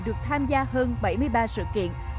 được nhận giải thưởng và sự công nhận của giới chuyên môn